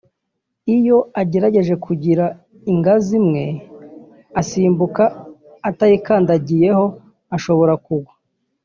iyo agerageje kugira ingazi imwe asimbuka atayikandagiyeho ashobora kugwa